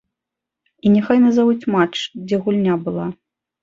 І няхай назавуць матч, дзе гульня была!